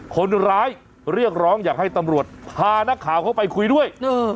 คนร้ายเรียกร้องอยากให้ตำรวจพานักข่าวเข้าไปคุยด้วย